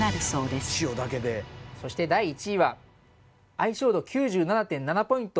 そして第１位は相性度９７．７ポイント！